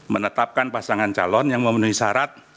menetapkan pasangan calon yang memenuhi syarat